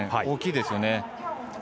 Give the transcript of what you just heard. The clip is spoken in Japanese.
大きいですよね。